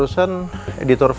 ini apa banget disini